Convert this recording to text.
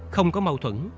không có mâu thuẫn